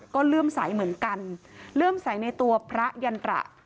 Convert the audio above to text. ก็เลื่อมใสเหมือนกันเลื่อมใสในตัวพระยันตระ